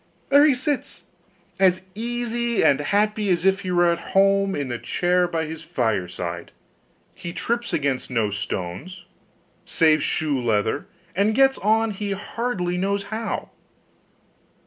There he sits as easy and happy as if he was at home, in the chair by his fireside; he trips against no stones, saves shoe leather, and gets on he hardly knows how.